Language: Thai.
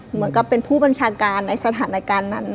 เหมือนกับเป็นผู้บัญชาการในสถานการณ์นั้น